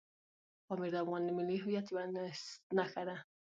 پامیر د افغانستان د ملي هویت یوه نښه ده.